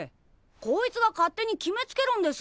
こいつが勝手に決めつけるんです。